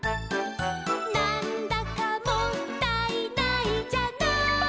「なんだかもったいないじゃない」